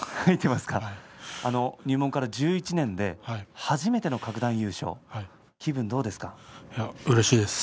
入門から１１年初めての各段優勝気分はいかがですか？